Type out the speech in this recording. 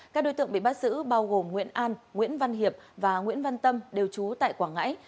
các đối tượng bị bắt giữ bao gồm nguyễn an nguyễn văn hiệp và nguyễn văn tâm đều trú tại quảng ngãi